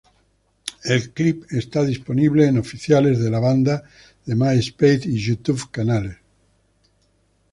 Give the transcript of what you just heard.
El clip está disponible en oficiales de la banda de Myspace y YouTube canales.